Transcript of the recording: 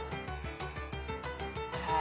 はい。